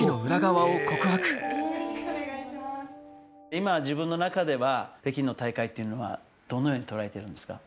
今、自分の中では、北京の大会っていうのはどのように捉えているんですか。